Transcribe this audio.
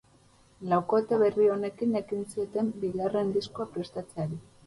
Laukote berri honekin ekin zioten bigarren diskoa prestatzeari.